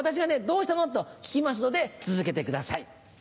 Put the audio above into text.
「どうしたの？」と聞きますので続けてください。